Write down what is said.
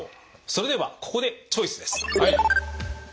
それではここでチョイスです。